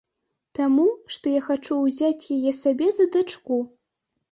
Таму, што я хачу ўзяць яе сабе за дачку.